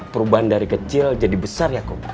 perubahan dari kecil jadi besar ya kok